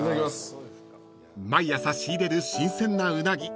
［毎朝仕入れる新鮮なうなぎ］